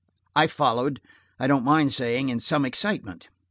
I followed, I don't mind saying in some excitement.